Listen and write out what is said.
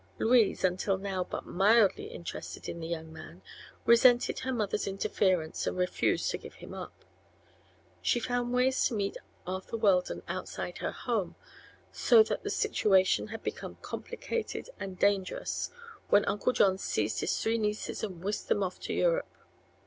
Louise, until now but mildly interested in the young man, resented her mother's interference and refused to give him up. She found ways to meet Arthur Weldon outside her home, so that the situation had become complicated and dangerous when Uncle John seized his three nieces and whisked them off to Europe.